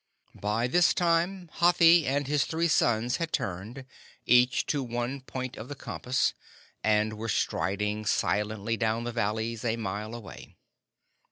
By this time Hathi and his three sons had turned, each to one point of the compass, and were striding silently down the valleys a mile away.